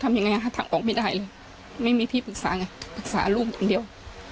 ทำยังไงหาทางออกไม่ได้เลยไม่มีที่ปรึกษาไงปรึกษาลูกคนเดียว